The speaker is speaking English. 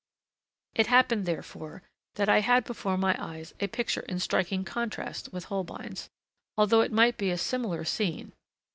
It happened, therefore, that I had before my eyes a picture in striking contrast with Holbein's, although it might be a similar scene.